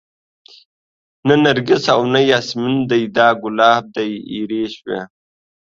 نه نرګس او نه ياسمن دى دا ګلاب دى ايرې شوى